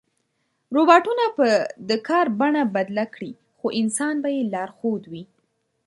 روباټونه به د کار بڼه بدله کړي، خو انسان به یې لارښود وي.